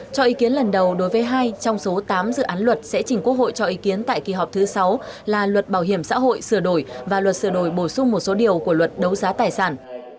cho ý kiến lần đầu đối với hai trong số tám dự án luật sẽ chỉnh quốc hội cho ý kiến tại kỳ họp thứ sáu là luật bảo hiểm xã hội sửa đổi và luật sửa đổi bổ sung một số điều của luật đấu giá tài sản